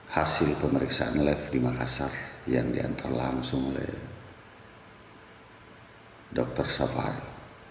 hasil pemeriksaan live di makassar yang diantar langsung oleh dr safari